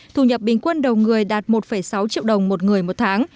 thu nhập bình quân đầu người đạt một sáu triệu đồng một người một tháng